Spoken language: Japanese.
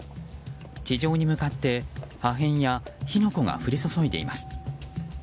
地上に向かって破片や火の粉が降り注いでいます。